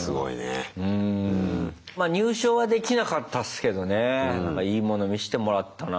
まあ入賞はできなかったっすけどねいいもの見してもらったな。